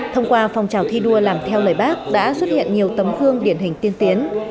thông qua phong trào thi đua làm theo lời bác đã xuất hiện nhiều tấm gương điển hình tiên tiến